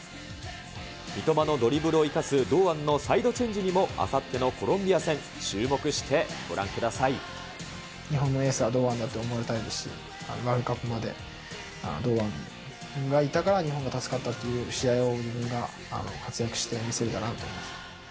三笘のドリブルを生かす堂安のサイドチェンジにもあさってのコロンビア戦、注目してご覧くだ日本のエースは堂安だって思われたいですし、ワールドカップまで堂安がいたから日本が助かったという試合を自分が活躍して見せれたらなと思います。